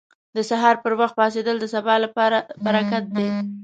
• د سهار پر وخت پاڅېدل د سبا لپاره برکت دی.